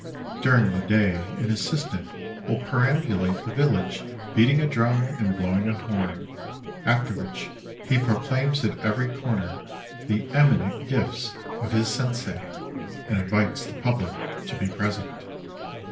During the day an assistant will perambulate the vil lage beating a drum and blowing a horn, after which he proclaims at every corner the eminent gifts of his sensei, and invites the public to be present.